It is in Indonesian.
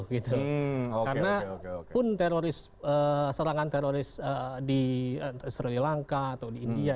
karena pun teroris serangan teroris di sri lanka atau di india